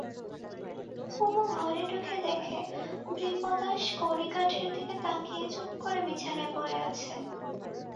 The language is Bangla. কুমু ঘরে ঢুকে দেখে বিপ্রদাস কড়িকাঠের দিকে তাকিয়ে চুপ করে বিছানায় পড়ে আছে।